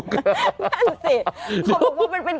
นั่นสิ